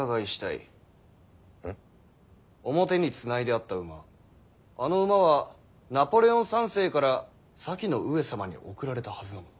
表につないであった馬あの馬はナポレオン三世から先の上様に贈られたはずのもの。